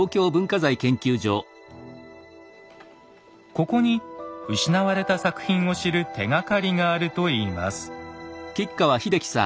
ここに失われた作品を知る手がかりがあるといいます。